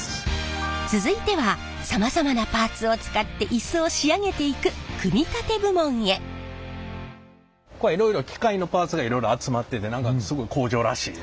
続いてはさまざまなパーツを使ってイスを仕上げていくここはいろいろ機械のパーツがいろいろ集まってて何かすごい工場らしい。